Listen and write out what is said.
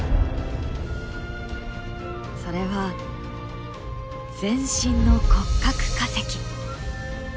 それは全身の骨格化石。